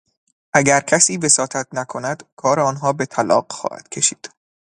اگر کسی وساطت نکند کار آنها به طلاق خواهد کشید.